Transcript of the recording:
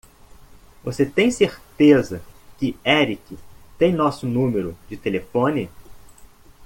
Você tem certeza que Erik tem nosso número de telefone?